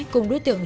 cùng đối tượng